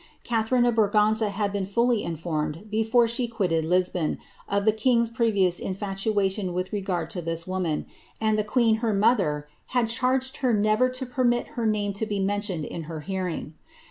Catharine of Bragana had been fully informed, before she quitted Lisbon, of the king^s previ ous infatuation with regard to this woman ; and the queen, her mother, had charged her never to permit her name to be mentioned in her hear ing.'